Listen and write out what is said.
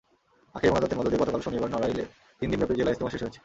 আখেরি মোনাজাতের মধ্য দিয়ে গতকাল শনিবার নড়াইলে তিন দিনব্যাপী জেলা ইজতেমা শেষ হয়েছে।